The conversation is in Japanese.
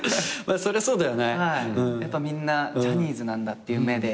やっぱみんな「ジャニーズなんだ」っていう目で。